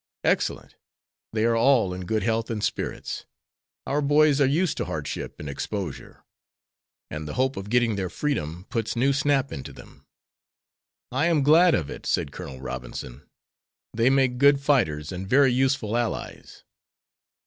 "Excellent. They are all in good health and spirits. Our boys are used to hardship and exposure, and the hope of getting their freedom puts new snap into them." "I am glad of it," said Colonel Robinson. "They make good fighters and very useful allies.